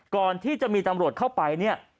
ก่อนที่จะมีตำรวจเข้าไปเนี่ย